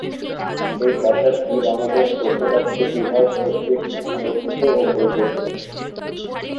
এই প্রাসাদটি বাংলাদেশ প্রত্নতাত্ত্বিক বিভাগ কর্তৃক সংরক্ষিত ও পরিচালিত।